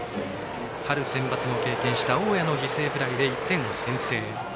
春センバツも経験した大矢の犠牲フライで１点を先制。